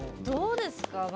どうですか？